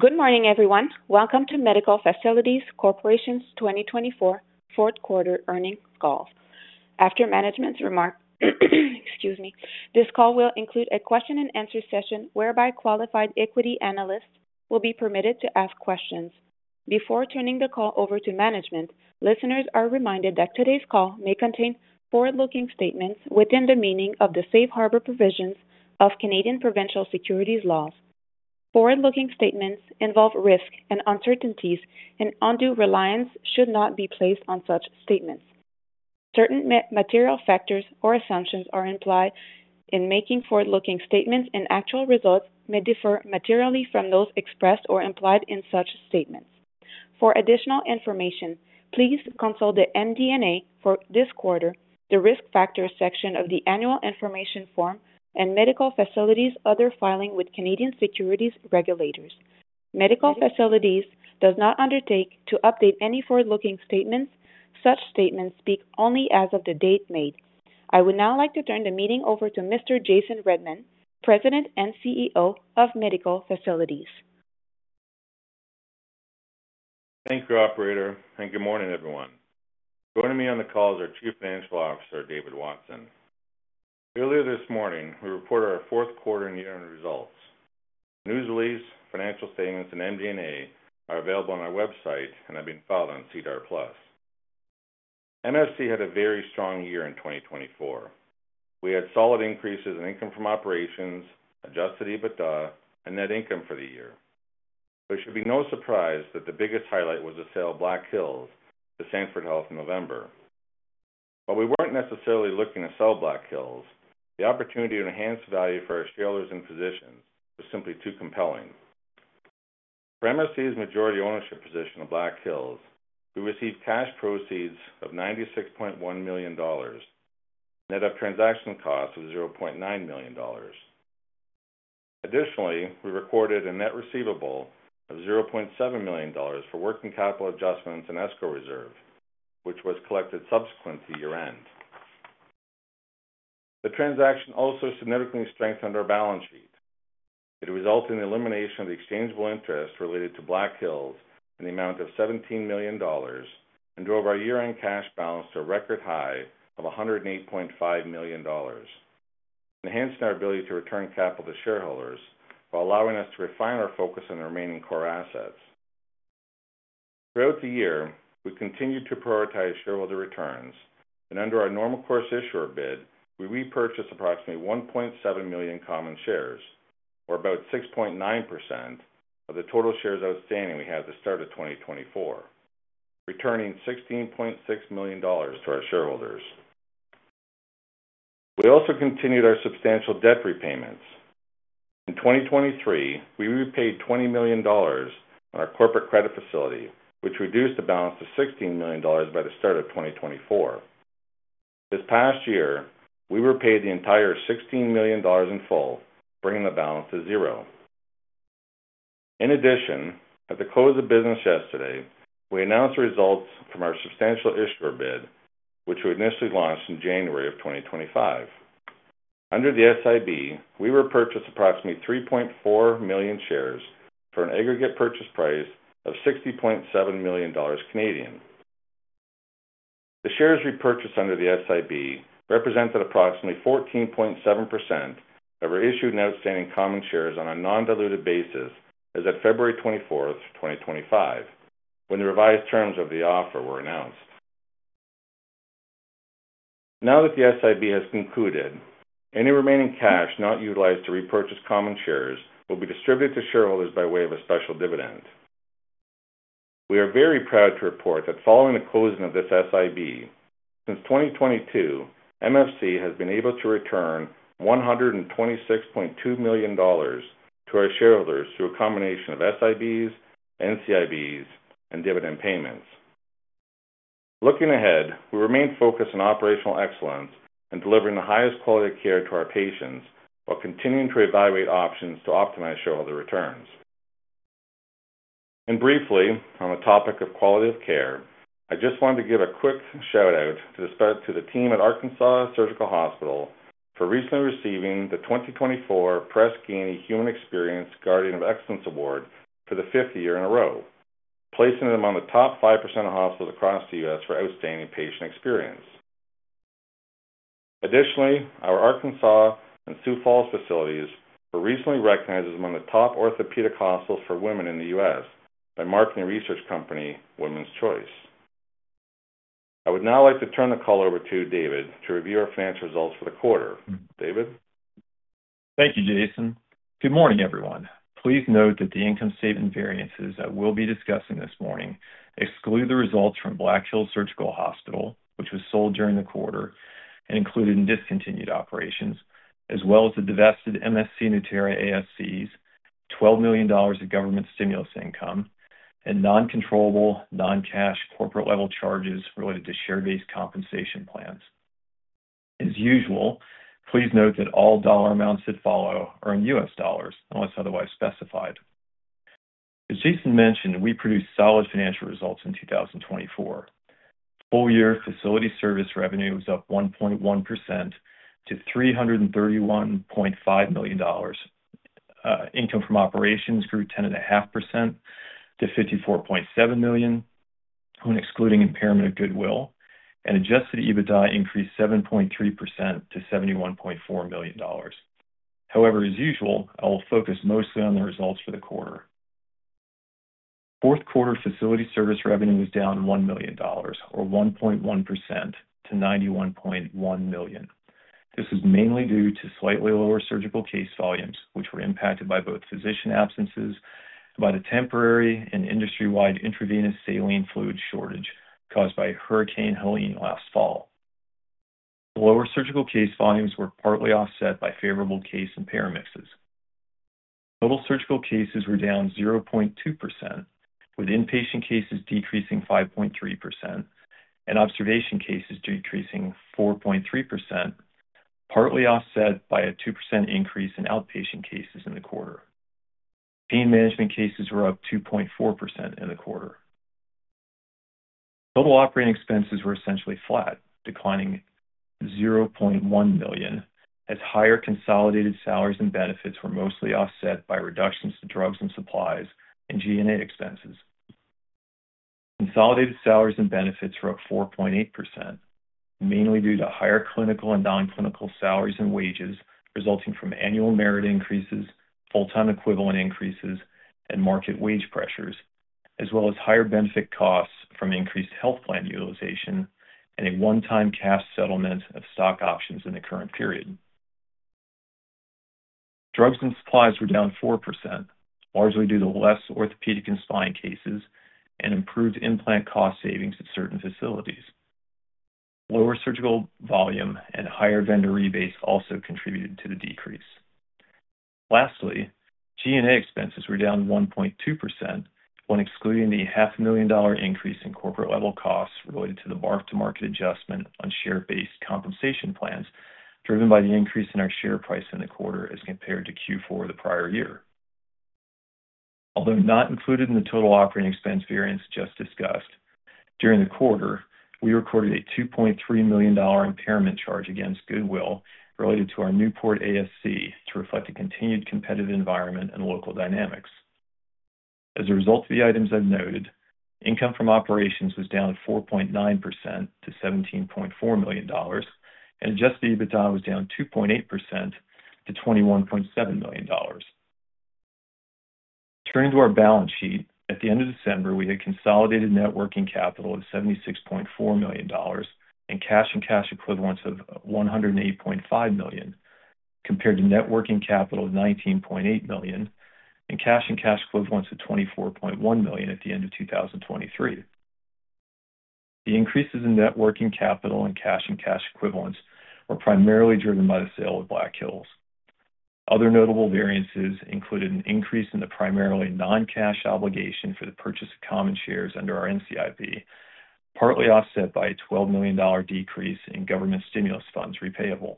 Good morning, everyone. Welcome to Medical Facilities Corporation's 2024 Fourth Quarter Earnings Call. After management's remark, excuse me, this call will include a question-and-answer session whereby qualified equity analysts will be permitted to ask questions. Before turning the call over to management, listeners are reminded that today's call may contain forward-looking statements within the meaning of the safe harbor provisions of Canadian provincial securities laws. Forward-looking statements involve risk and uncertainties, and undue reliance should not be placed on such statements. Certain material factors or assumptions are implied in making forward-looking statements, and actual results may differ materially from those expressed or implied in such statements. For additional information, please consult the MD&A for this quarter, the risk factors section of the Annual Information Form, and Medical Facilities' other filing with Canadian securities regulators. Medical Facilities does not undertake to update any forward-looking statements. Such statements speak only as of the date made. I would now like to turn the meeting over to Mr. Jason Redman, President and CEO of Medical Facilities. Thank you, Operator, and good morning, everyone. Joining me on the call is our Chief Financial Officer, David Watson. Earlier this morning, we reported our fourth quarter and year-end results. News release, financial statements, and MD&A are available on our website, and have been filed on SEDAR+. MFC had a very strong year in 2024. We had solid increases in income from operations, adjusted EBITDA, and net income for the year. It should be no surprise that the biggest highlight was the sale of Black Hills Surgical Hospital to Sanford Health in November. While we were not necessarily looking to sell Black Hills, the opportunity to enhance value for our shareholders and physicians was simply too compelling. For MFC's majority ownership position of Black Hills, we received cash proceeds of $96.1 million, net of transaction costs of $0.9 million. Additionally, we recorded a net receivable of $0.7 million for working capital adjustments and escrow reserve, which was collected subsequent to year-end. The transaction also significantly strengthened our balance sheet. It resulted in the elimination of the exchangeable interest related to Black Hills in the amount of $17 million and drove our year-end cash balance to a record high of $108.5 million, enhancing our ability to return capital to shareholders while allowing us to refine our focus on the remaining core assets. Throughout the year, we continued to prioritize shareholder returns, and under our normal course issuer bid, we repurchased approximately 1.7 million common shares, or about 6.9% of the total shares outstanding we had at the start of 2024, returning $16.6 million to our shareholders. We also continued our substantial debt repayments. In 2023, we repaid $20 million on our corporate credit facility, which reduced the balance to $16 million by the start of 2024. This past year, we repaid the entire $16 million in full, bringing the balance to zero. In addition, at the close of business yesterday, we announced the results from our substantial issuer bid, which we initially launched in January of 2025. Under the SIB, we repurchased approximately 3.4 million shares for an aggregate purchase price of 60.7 million Canadian dollars. The shares repurchased under the SIB represented approximately 14.7% of our issued and outstanding common shares on a non-diluted basis as of February 24, 2025, when the revised terms of the offer were announced. Now that the SIB has concluded, any remaining cash not utilized to repurchase common shares will be distributed to shareholders by way of a special dividend. We are very proud to report that following the closing of this SIB, since 2022, MFC has been able to return $126.2 million to our shareholders through a combination of SIBs, NCIBs, and dividend payments. Looking ahead, we remain focused on operational excellence and delivering the highest quality of care to our patients while continuing to evaluate options to optimize shareholder returns. Briefly, on the topic of quality of care, I just wanted to give a quick shout-out to the team at Arkansas Surgical Hospital for recently receiving the 2024 Press Ganey Human Experience Guardian of Excellence Award for the fifth year in a row, placing them among the top 5% of hospitals across the U.S. for outstanding patient experience. Additionally, our Arkansas and Sioux Falls facilities were recently recognized as among the top orthopedic hospitals for women in the U.S. by marketing research company Women's Choice. I would now like to turn the call over to David to review our financial results for the quarter. David? Thank you, Jason. Good morning, everyone. Please note that the income statement variances that we'll be discussing this morning exclude the results from Black Hills Surgical Hospital, which was sold during the quarter and included in discontinued operations, as well as the divested MFC Nueterra ASC's $12 million of government stimulus income and non-controllable, non-cash corporate-level charges related to share-based compensation plans. As usual, please note that all dollar amounts that follow are in U.S. dollars unless otherwise specified. As Jason mentioned, we produced solid financial results in 2024. Full-year facility service revenue was up 1.1% to $331.5 million. Income from operations grew 10.5% to $54.7 million when excluding impairment of goodwill, and adjusted EBITDA increased 7.3% to $71.4 million. However, as usual, I will focus mostly on the results for the quarter. Fourth quarter facility service revenue was down $1 million, or 1.1% to $91.1 million. This was mainly due to slightly lower surgical case volumes, which were impacted by both physician absences and by the temporary and industry-wide intravenous saline fluid shortage caused by Hurricane Helene last fall. Lower surgical case volumes were partly offset by favorable case impairments. Total surgical cases were down 0.2%, with inpatient cases decreasing 5.3% and observation cases decreasing 4.3%, partly offset by a 2% increase in outpatient cases in the quarter. Pain management cases were up 2.4% in the quarter. Total operating expenses were essentially flat, declining $0.1 million, as higher consolidated salaries and benefits were mostly offset by reductions in drugs and supplies and G&A expenses. Consolidated salaries and benefits were up 4.8%, mainly due to higher clinical and non-clinical salaries and wages resulting from annual merit increases, full-time equivalent increases, and market wage pressures, as well as higher benefit costs from increased health plan utilization and a one-time cash settlement of stock options in the current period. Drugs and supplies were down 4%, largely due to fewer orthopedic and spine cases and improved implant cost savings at certain facilities. Lower surgical volume and higher vendor rebates also contributed to the decrease. Lastly, G&A expenses were down 1.2% when excluding the $500,000 increase in corporate-level costs related to the mark-to-market adjustment on share-based compensation plans driven by the increase in our share price in the quarter as compared to Q4 of the prior year. Although not included in the total operating expense variance just discussed, during the quarter, we recorded a $2.3 million impairment charge against goodwill related to our Newport ASC to reflect a continued competitive environment and local dynamics. As a result of the items I've noted, income from operations was down 4.9% to $17.4 million, and adjusted EBITDA was down 2.8% to $21.7 million. Turning to our balance sheet, at the end of December, we had consolidated net working capital of $76.4 million and cash and cash equivalents of $108.5 million compared to net working capital of $19.8 million and cash and cash equivalents of $24.1 million at the end of 2023. The increases in net working capital and cash and cash equivalents were primarily driven by the sale of Black Hills. Other notable variances included an increase in the primarily non-cash obligation for the purchase of common shares under our NCIB, partly offset by a $12 million decrease in government stimulus funds repayable.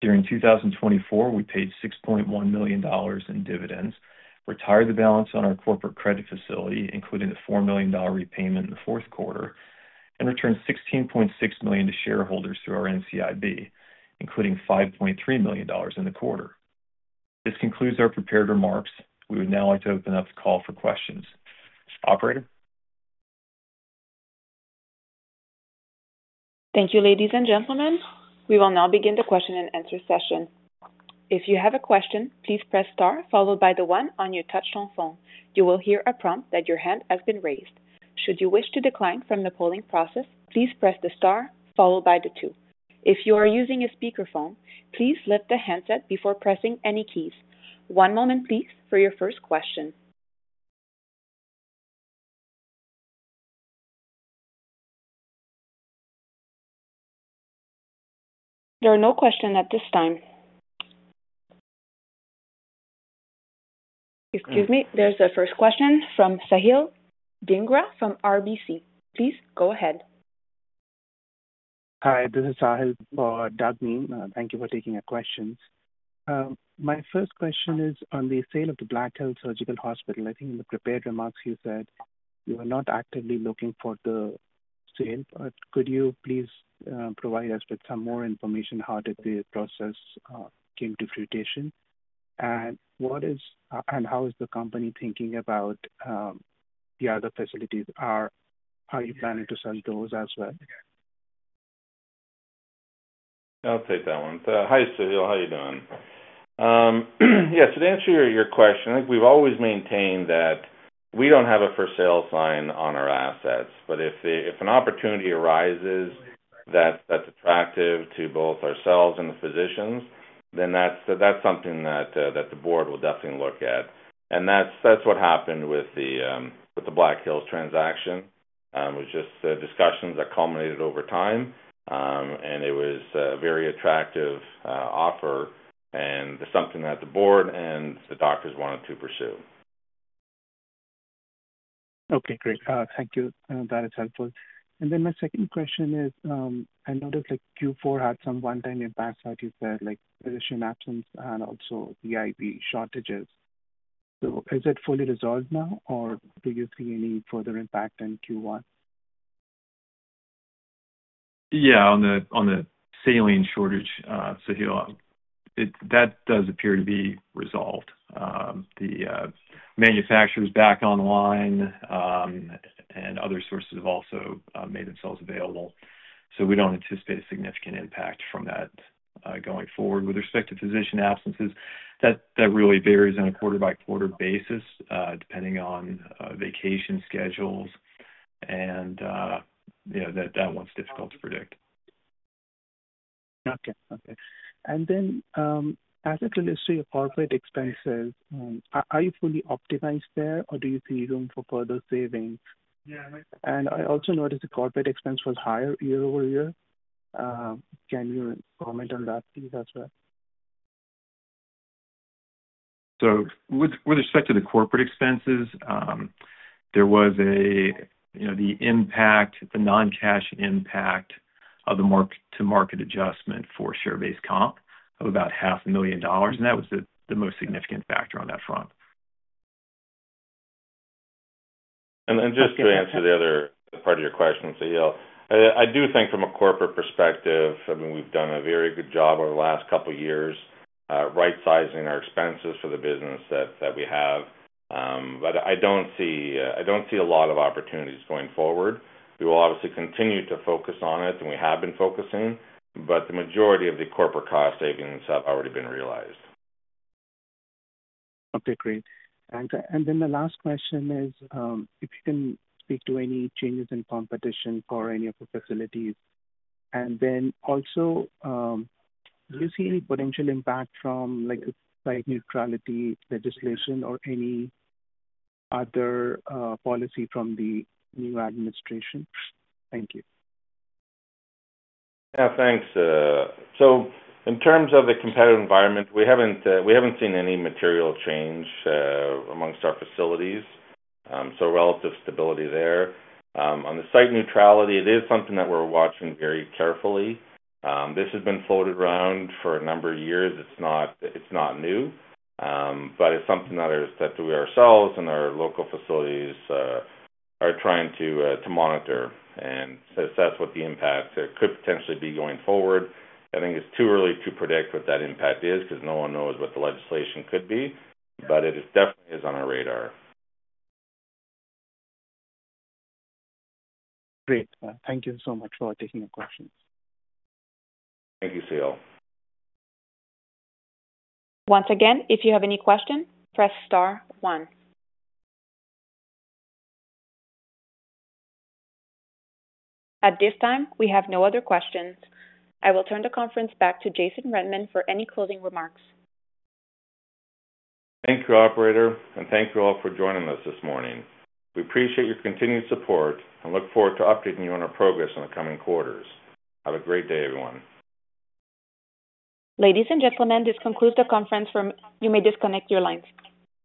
During 2024, we paid $6.1 million in dividends, retired the balance on our corporate credit facility, including a $4 million repayment in the fourth quarter, and returned $16.6 million to shareholders through our NCIB, including $5.3 million in the quarter. This concludes our prepared remarks. We would now like to open up the call for questions. Operator? Thank you, ladies and gentlemen. We will now begin the question-and-answer session. If you have a question, please press star followed by the one on your touch-tone phone. You will hear a prompt that your hand has been raised. Should you wish to decline from the polling process, please press the star followed by the two. If you are using a speakerphone, please lift the handset before pressing any keys. One moment, please, for your first question. There are no questions at this time. Excuse me, there is a first question from Sahil Dhingra from RBC. Please go ahead. Hi, this is Sahil Dhingra. Thank you for taking our questions. My first question is on the sale of the Black Hills Surgical Hospital. I think in the prepared remarks you said you were not actively looking for the sale, but could you please provide us with some more information? How did the process come to fruition? How is the company thinking about the other facilities? Are you planning to sell those as well? I'll take that one. Hi, Sahil. How are you doing? Yes, to answer your question, I think we've always maintained that we don't have a for-sale sign on our assets, but if an opportunity arises that's attractive to both ourselves and the physicians, then that's something that the board will definitely look at. That is what happened with the Black Hills transaction. It was just discussions that culminated over time, and it was a very attractive offer, and it's something that the board and the doctors wanted to pursue. Okay, great. Thank you. That is helpful. My second question is, I noticed Q4 had some one-time impacts, like you said, like physician absence and also IV saline shortages. Is it fully resolved now, or do you see any further impact in Q1? Yeah, on the saline shortage, Sahil, that does appear to be resolved. The manufacturers are back online and other sources have also made themselves available, so we do not anticipate a significant impact from that going forward. With respect to physician absences, that really varies on a quarter-by-quarter basis depending on vacation schedules, and that one is difficult to predict. Okay, okay. As it relates to your corporate expenses, are you fully optimized there, or do you see room for further savings? I also noticed the corporate expense was higher year over year. Can you comment on that, please, as well? With respect to the corporate expenses, there was the impact, the non-cash impact of the mark-to-market adjustment for share-based comp of about $500,000, and that was the most significant factor on that front. To answer the other part of your question, Sahil, I do think from a corporate perspective, I mean, we've done a very good job over the last couple of years right-sizing our expenses for the business that we have, but I do not see a lot of opportunities going forward. We will obviously continue to focus on it, and we have been focusing, but the majority of the corporate cost savings have already been realized. Okay, great. The last question is if you can speak to any changes in competition for any of the facilities. Also, do you see any potential impact from site neutrality legislation or any other policy from the new administration? Thank you. Yeah, thanks. In terms of the competitive environment, we haven't seen any material change amongst our facilities, so relative stability there. On the site neutrality, it is something that we're watching very carefully. This has been floated around for a number of years. It's not new, but it's something that we ourselves and our local facilities are trying to monitor, and that's what the impact could potentially be going forward. I think it's too early to predict what that impact is because no one knows what the legislation could be, but it definitely is on our radar. Great. Thank you so much for taking the questions. Thank you, Sahil. Once again, if you have any questions, press star one. At this time, we have no other questions. I will turn the conference back to Jason Redman for any closing remarks. Thank you, Operator, and thank you all for joining us this morning. We appreciate your continued support and look forward to updating you on our progress in the coming quarters. Have a great day, everyone. Ladies and gentlemen, this concludes the conference. You may disconnect your lines.